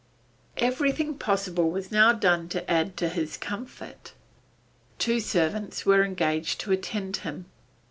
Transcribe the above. Everything possible was now done to add to his comfort. Two servants were engaged to attend him.